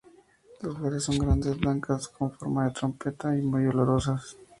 Las flores son grandes, blancas con forma de trompeta y muy olorosas.